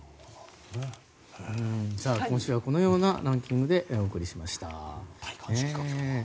今週はこのようなランキングでお送りしました。